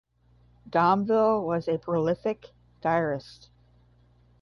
Domvile was a prolific diarist.